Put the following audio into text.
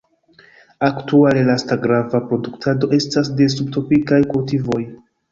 Aktuale lasta grava produktado estas de subtropikaj kultivoj.